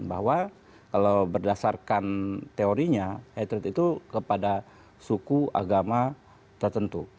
bahwa kalau berdasarkan teorinya hatta itu kepada suku agama tertentu